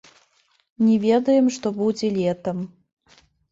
Не ведаем, што будзе летам.